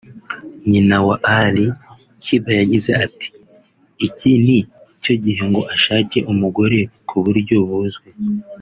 Nyina wa Ali Kiba yagize ati”Iki ni cyo gihe ngo ashake umugore ku buryo buzwi